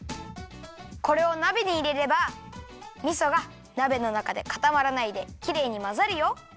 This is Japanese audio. これをなべにいれればみそがなべのなかでかたまらないできれいにまざるよ。